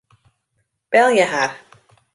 Belje har.